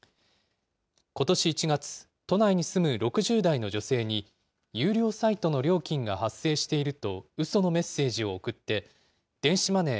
ことし１月、都内に住む６０代の女性に、有料サイトの料金が発生していると、うそのメッセージを送って、電子マネー